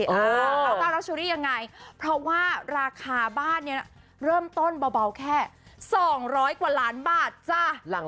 เอาเจ้ารัชเชอรี่ยังไงเพราะว่าราคาบ้านเนี่ยเริ่มต้นเบาแค่๒๐๐กว่าล้านบาทจ้ะ